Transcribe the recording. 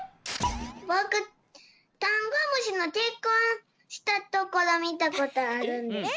ぼくダンゴムシのけっこんしたところみたことあるんです。